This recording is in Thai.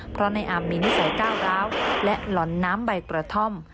เพราะในอามมีนิสัยก้าวร้าวและหล่อนน้ำใบกระท่อม